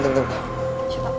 tunggu tunggu tunggu